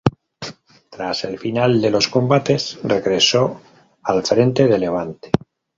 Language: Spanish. Tras el final de los combates regresó al frente de Levante.